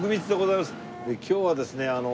今日はですね。